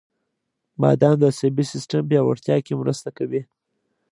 • بادام د عصبي سیستم پیاوړتیا کې مرسته کوي.